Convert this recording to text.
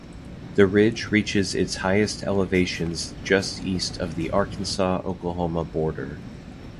The ridge reaches its highest elevations just east of the Arkansas-Oklahoma border.